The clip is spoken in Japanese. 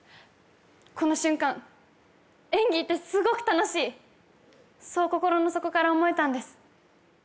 この瞬間演技ってすごく楽しいそう心の底から思えたんです